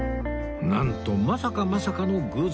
なんとまさかまさかの偶然